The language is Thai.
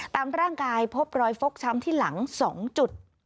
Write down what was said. ตามร่างกายพบรอยฟกช้ำที่หลัง๒จุด